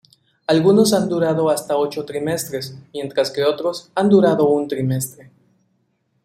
Algunos han durado hasta ocho trimestres, mientras que otros han durado un trimestre.